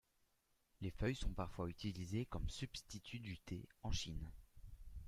Les feuilles sont parfois utilisées comme substitut du thé en Chine.